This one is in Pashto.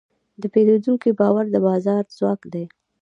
د پیرودونکي باور د بازار ځواک دی.